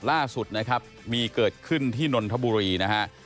ล่าสุดนะครับมีเกิดขึ้นที่นนทบุรีนะฮะ